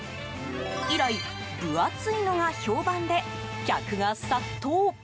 以来、分厚いのが評判で客が殺到。